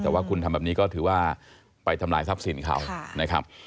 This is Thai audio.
แต่ว่าคุณทำแบบนี้ก็ถือว่าไปทำลายทรัพย์สินเขานะครับ